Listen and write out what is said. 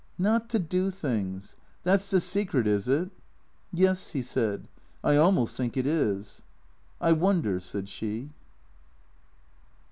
" Not to do things — that 's the secret, is it ?"." Yes," he said, " I almost think it is." " I wonder," said she.